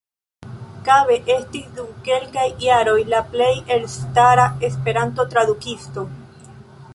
Kabe estis dum kelkaj jaroj la plej elstara Esperanto-tradukisto.